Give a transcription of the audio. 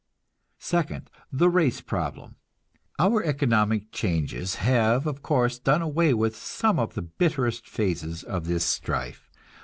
Second, the race problem. Our economic changes have, of course, done away with some of the bitterest phases of this strife.